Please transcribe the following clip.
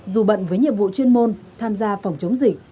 dù bận với nhiệm vụ chuyên môn tham gia phòng chống dịch